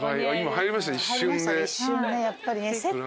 入りましたね一瞬やっぱりね。